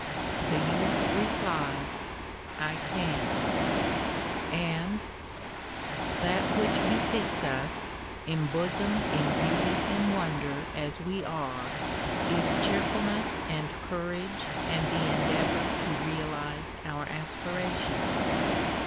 The youth replies, I can ;* and That which befits us, embosomed in beauty and wonder as we are, is cheerfulness and courage and the endeavour to realise our aspirations.